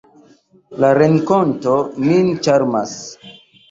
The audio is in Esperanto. La renkonto min ĉarmas.